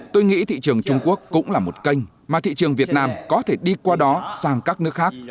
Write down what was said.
tôi nghĩ thị trường trung quốc cũng là một kênh mà thị trường việt nam có thể đi qua đó sang các nước khác